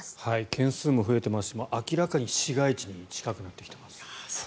件数も増えていますし明らかに市街地に近くなってきています。